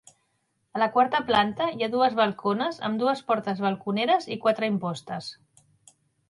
A la quarta planta, hi ha dues balcones amb dues portes balconeres i quatre impostes.